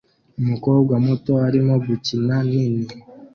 Umukobwa muto arimo gukina nini